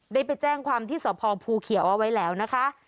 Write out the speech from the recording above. ได้ไปแจ้งความที่สพภูเขียวเอาไว้แล้วนะคะ